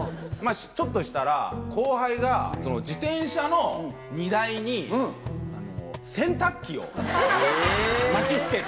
ちょっとしたら後輩が自転車の荷台に洗濯機を巻き付けて。